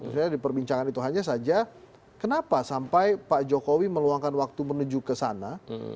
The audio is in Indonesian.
sebenarnya diperbincangkan itu hanya saja kenapa sampai pak jokowi meluangkan waktu menuju ke sana